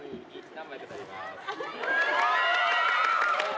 何枚か撮ります。